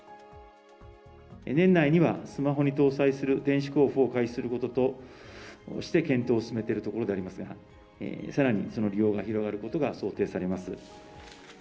年内にはスマホに搭載する電子交付を開始することとして検討を進めているところでありますが、さらにその利用が広がることが想定されます。